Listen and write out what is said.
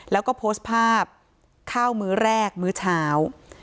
แล้วก็โพสต์ภาพข้าวมื้อแรกมื้อเช้า